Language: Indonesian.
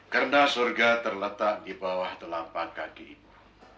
karena surga terletak di bawah telapak kaki ibu